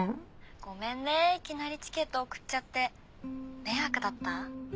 ごめんねいきなりチケット送っちゃって迷惑だった？